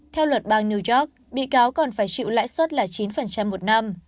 theo luật bang new york bị cáo còn phải chịu lãi suất là chín một năm